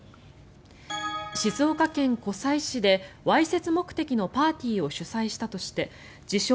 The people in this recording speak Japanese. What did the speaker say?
静岡県湖西市でわいせつ目的のパーティーを主催したとして自称